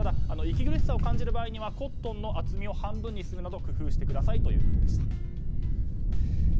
息苦しさを感じる場合にはコットンの厚みを半分にするなど工夫してくださいということでした。